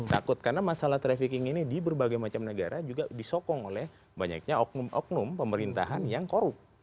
takut karena masalah trafficking ini di berbagai macam negara juga disokong oleh banyaknya oknum oknum pemerintahan yang korup